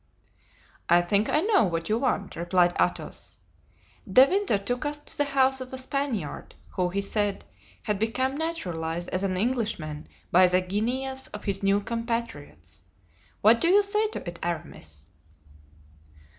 "I think I know what you want," replied Athos. "De Winter took us to the house of a Spaniard, who, he said, had become naturalized as an Englishman by the guineas of his new compatriots. What do you say to it, Aramis?"